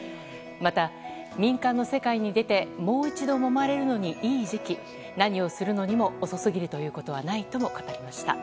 また、民間の世界に出てもう一度もまれるのにいい時期何をするのにも遅すぎるということはないとも語りました。